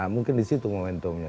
mungkin disitu momentumnya